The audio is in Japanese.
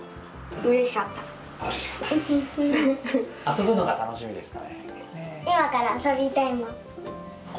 遊ぶのが楽しみですか？